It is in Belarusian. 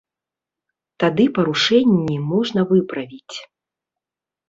Тады парушэнні можна выправіць.